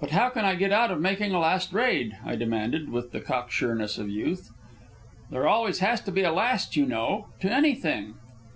"But how can I get out of making a last raid?" I demanded, with the cocksureness of youth. "There always has to be a last, you know, to anything."